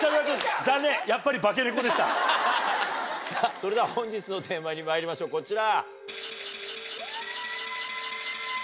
それでは本日のテーマにまいりましょうこちら。